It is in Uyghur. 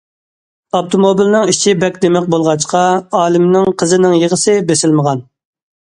ئاپتوموبىلنىڭ ئىچى بەك دىمىق بولغاچقا، ئالىمنىڭ قىزىنىڭ يىغىسى بېسىلمىغان.